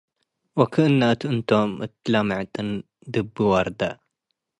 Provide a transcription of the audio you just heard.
ወክእና' እት እንቶም እት ለምዕጥን ድቢ' ወርደ።